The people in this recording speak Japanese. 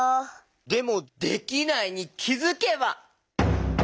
でも「できないに気づけば」？